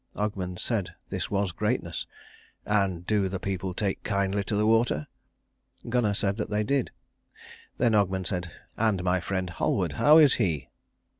Ogmund said this was greatness; "And do the people take kindly to the water?" Gunnar said that they did. Then Ogmund said, "And my friend Halward, how is he?"